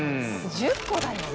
１０個だもんね。